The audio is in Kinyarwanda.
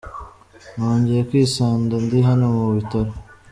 Nongeye kwisanda ndi hano mu bitaro.